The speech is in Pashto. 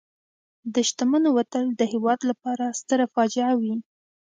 د شتمنو وتل د هېواد لپاره ستره فاجعه وي.